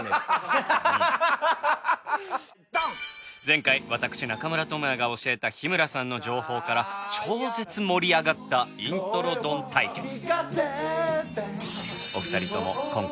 前回私中村倫也が教えた日村さんの情報から超絶盛り上がったイントロドン対決。